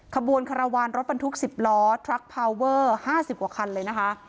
ขบวนรถบรรทุกสิบล้อพาเวอร์ห้าสิบกว่าคันเลยนะคะ